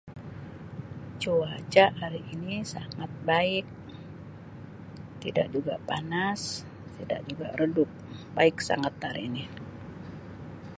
Cuaca hari ini sangat baik tidak juga panas tidak juga redup baik sangat hari ni.